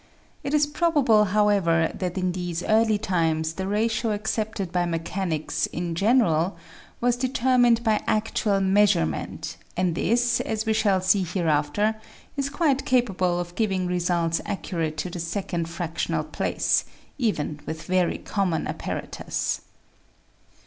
It is prob able, however, that in these early times the ratio accepted by mechanics in general was determined by actual meas urement, and this, as we shall see hereafter, is quite capable of giving results accurate to the second fractional place, even with very common apparatus.